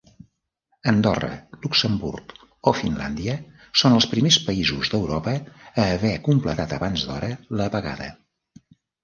Andorra, Luxemburg o Finlàndia són els primers països d'Europa a haver completat abans d'hora l'apagada.